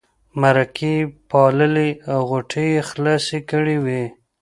مرکې یې پاللې او غوټې یې خلاصې کړې وې.